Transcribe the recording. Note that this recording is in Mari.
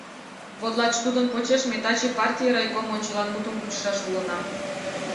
Вот лач тудын почеш ме таче партий райком ончылан мутым кучышаш улына.